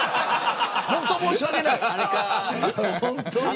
本当に申し訳ない。